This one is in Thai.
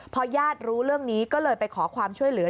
พอญาติรู้เรื่องนี้ก็เลยไปขอความช่วยเหลือ